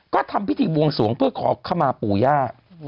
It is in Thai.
ก็ทำพิธีบวงสวงเพื่อขอขมาปู่ย่า